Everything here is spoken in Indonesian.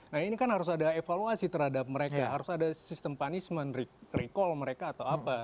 nah ini kan harus ada evaluasi terhadap mereka harus ada sistem punishment recall mereka atau apa